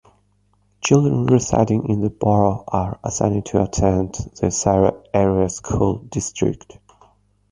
Children residing in the borough are assigned to attend the Sayre Area School District.